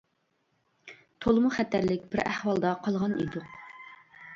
تولىمۇ خەتەرلىك بىر ئەھۋالدا قالغان ئىدۇق.